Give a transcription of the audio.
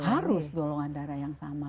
harus golongan darah yang sama